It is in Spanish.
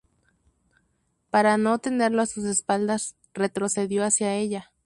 Para no tenerlo a sus espaldas, retrocedió hacia ella.